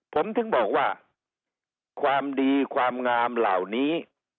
ผมถึงบอกว่าความดีความงามเหล่านี้